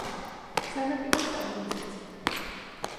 სანაპიროს სტაბილიზაცია